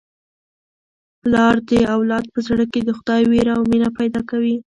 پلار د اولاد په زړه کي د خدای وېره او مینه پیدا کوي.